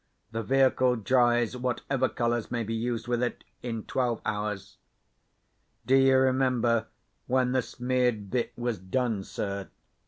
The vehicle dries whatever colours may be used with it, in twelve hours." "Do you remember when the smeared bit was done, sir?"